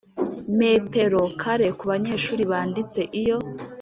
metero kare ku banyeshuri banditse Iyo